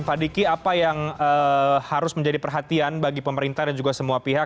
pak diki apa yang harus menjadi perhatian bagi pemerintah dan juga semua pihak